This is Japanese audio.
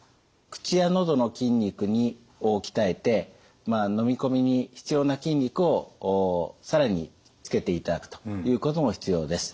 口や喉の筋肉を鍛えてのみ込みに必要な筋肉を更につけていただくということも必要です。